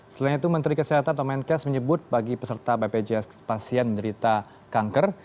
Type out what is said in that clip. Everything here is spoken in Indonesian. selain itu menteri kesehatan tomenkes menyebut bagi peserta bpjs pasien yang menderita kanker